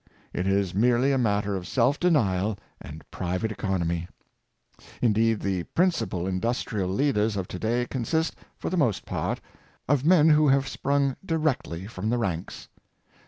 It is merely a matter of self denial and private economy. Indeed, the princi pal industrial leaders of to day consist, for the most part, of men who have sprung directly from the ranks.